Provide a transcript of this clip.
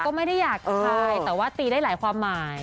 ก็ไม่ได้อยากถ่ายแต่ว่าตีได้หลายความหมาย